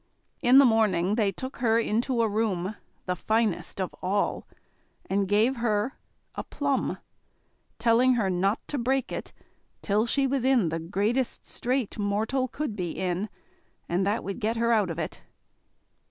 In the morning they took her into a room, the finest of all, and gave her a plum, telling her not to break it till she was in the greatest strait mortal could be in, and that would get her out of it.